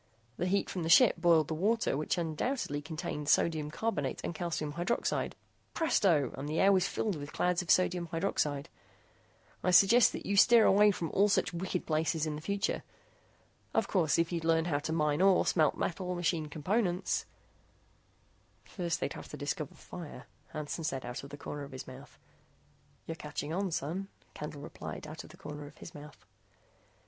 The heat from the ship boiled the water which undoubtedly contained sodium carbonate and calcium hydroxide; presto, and the air was filled with clouds of sodium hydroxide. "I suggest that you steer away from all such wicked places in the future. Of course, if you'd learn how to mine ore, smelt metal, machine components " "First they'd have to discover fire," Hansen said out of the corner of his mouth. "You're catching on, son," Candle said, out of the corner of his mouth.